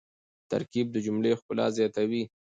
ترکیب د جملې ښکلا زیاتوي.